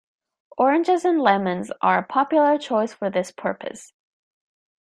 Oranges and lemons are a popular choice for this purpose.